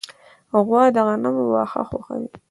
غوا د غنمو واښه خوښوي.